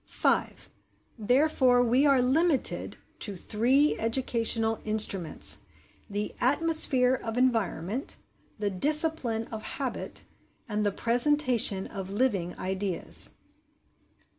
5. Therefore we are limited to three educational instruments the atmosphere of environment, the discipline of habit, and the presentation of living ideas.